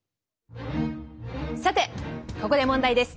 さてここで問題です。